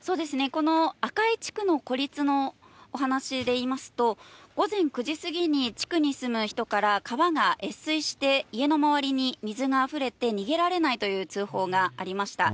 この赤井地区の孤立のお話で言いますと、午前９時過ぎに地区に住む人から、川が越水して、家の周りに水があふれて、逃げられないという通報がありました。